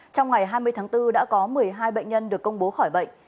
trong ngày hai mươi tháng bốn đã có một mươi hai bệnh nhân được công bố khỏi bệnh